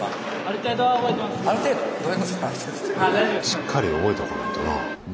しっかり覚えとかないとなぁ。